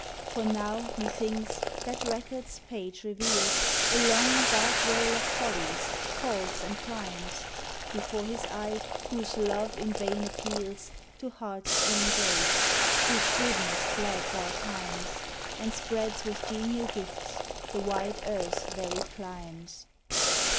For now, methinks, that record's page reveals A long dark roll of follies, faults, and crimes Before His eye, whose love in vain appeals To hearts ingrate; whose goodness glads our times, And spreads with genial gifts the wide earth's varied climes.